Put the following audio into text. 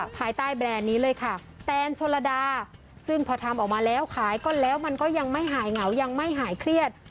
ภายใต้แบรนด์นี้เลยค่ะแตนชนระดาซึ่งพอทำออกมาแล้วขายก็แล้วมันก็ยังไม่หายเหงายังไม่หายเครียด